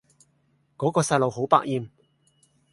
嗰個細路好百厭